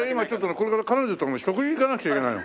これから彼女のとこに食事行かなくちゃいけないの。